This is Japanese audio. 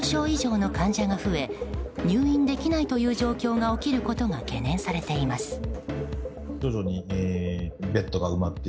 以上の患者が増え入院できないという状況が起きることが懸念されています。